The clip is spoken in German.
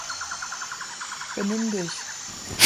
Benimm dich!